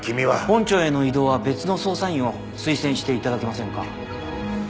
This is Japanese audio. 本庁への異動は別の捜査員を推薦していただけませんか？